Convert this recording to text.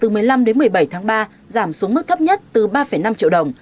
từ một mươi năm đến một mươi bảy tháng ba giảm xuống mức thấp nhất từ ba năm triệu đồng